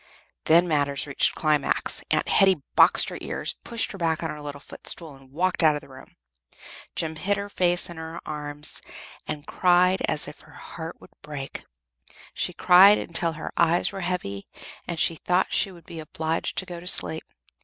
Then matters reached a climax. Aunt Hetty boxed her ears, pushed her back on her little footstool, and walked out of the room. Jem hid her face on her arms and cried as if her heart would break. She cried until her eyes were heavy, and she thought she would be obliged to go to sleep.